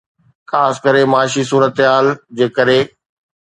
خاص ڪري معاشي صورتحال جي ڪري.